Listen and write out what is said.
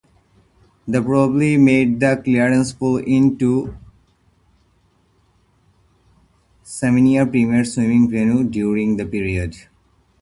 This probably made the Clarence Pool into Tasmania's Premier Swimming venue during that period.